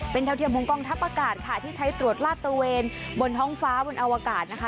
เป็นเท่าเทียมของกองทัพอากาศค่ะที่ใช้ตรวจลาดตะเวนบนท้องฟ้าบนอวกาศนะคะ